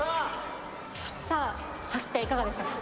さあ走っていかがでしたか？